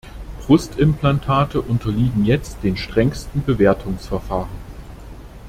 Brustimplantate unterliegen jetzt den strengsten Bewertungsverfahren.